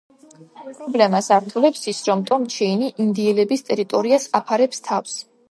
პრობლემას ართულებს ის, რომ ტომ ჩეინი ინდიელების ტერიტორიას აფარებს თავს.